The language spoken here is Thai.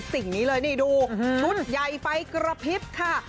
สิ่งนี้เลยนี่ดูชุดใหญ่ไฟกระพริบค่ะ